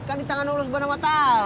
kan di tangan allah swt